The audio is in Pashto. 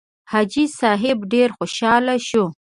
حاجي صیب ډېر خوشاله شو.